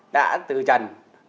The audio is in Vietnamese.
đã từ trần